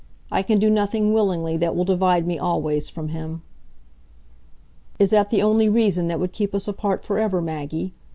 I can do nothing willingly that will divide me always from him." "Is that the only reason that would keep us apart forever, Maggie?"